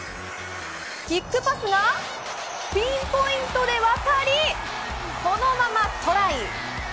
キックパスがピンポイントで渡り、そのままトライ。